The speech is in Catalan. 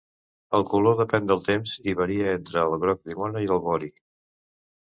El color depèn del temps i varia entre el groc llimona i el vori.